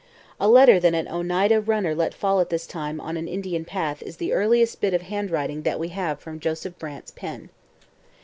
A letter that an Oneida runner let fall at this time on an Indian path is the earliest bit of handwriting that we have from Joseph Brant's pen.